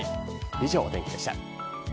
以上、お天気でした。